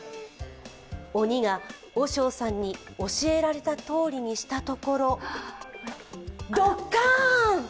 鬼が和尚さんに教えられたとおりにしたところドッカーン！